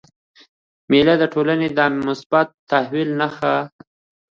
مېلې د ټولني د مثبت تحول نخښه ده.